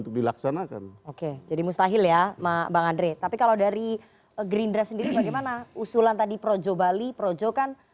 kecil ya mbak andre tapi kalau dari gerindra sendiri bagaimana usulan tadi projo bali projo kan